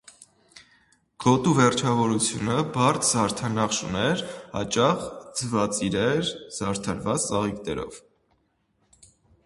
Գոտու վերջավորությունը բարդ զարդանախշ ուներ՝ հաճախ ձվածիր էր, զարդարված ծաղիկներով։